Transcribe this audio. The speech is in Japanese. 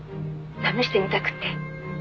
試してみたくって」